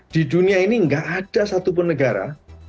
di dunia ini nggak ada satupun negara